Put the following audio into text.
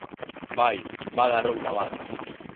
Bai, bada erronka bat.